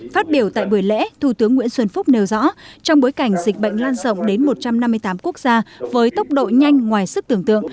phát biểu tại buổi lễ thủ tướng nguyễn xuân phúc nêu rõ trong bối cảnh dịch bệnh lan rộng đến một trăm năm mươi tám quốc gia với tốc độ nhanh ngoài sức tưởng tượng